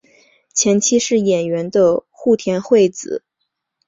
前妻是演员的户田惠子。